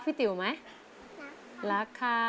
ไม่เคยลืมคำคนลำลูกกา